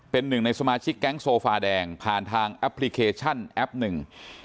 เป็นหนึ่งในสมาชิกแก๊งโซฟาแดงผ่านทางแอปพลิเคชันแอปหนึ่ง